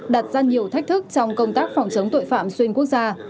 đặt ra nhiều thách thức trong công tác phòng chống tội phạm xuyên quốc gia